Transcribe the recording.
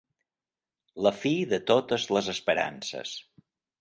La fi de totes les esperances.